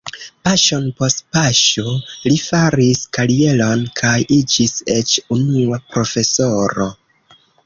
Paŝon post paŝo li faris karieron kaj iĝis eĉ unua profesoro.